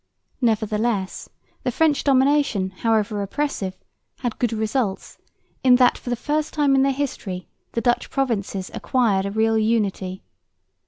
Nevertheless the French domination, however oppressive, had good results in that for the first time in their history the Dutch provinces acquired a real unity.